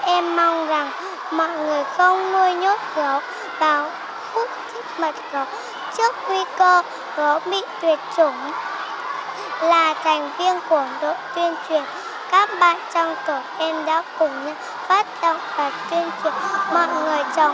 em mong rằng mọi người không nuôi nhốt gấu bảo hút thích mật gấu trước nguy cơ gấu bị tuyệt chủng